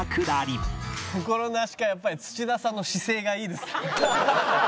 心なしかやっぱり土田さんの姿勢がいいです。